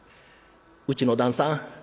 うちの旦さん